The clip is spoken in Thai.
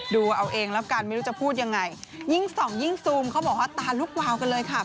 ดูเอาเองแล้วกันไม่รู้จะพูดยังไงยิ่งส่องยิ่งซูมเขาบอกว่าตาลุกวาวกันเลยค่ะ